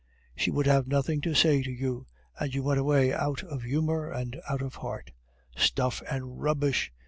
She would have nothing to say to you, and you went away out of humor and out of heart. Stuff and rubbish!